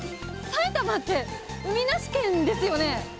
埼玉って海なし県ですよね。